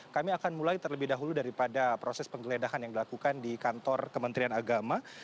kami akan mulai terlebih dahulu daripada proses penggeledahan yang dilakukan di kantor kementerian agama